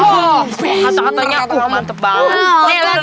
oh kata katanya wah mantep banget